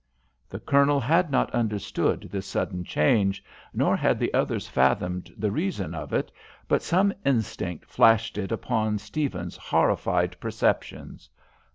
The Colonel had not understood this sudden change, nor had the others fathomed the reason of it, but some instinct flashed it upon Stephens's horrified perceptions.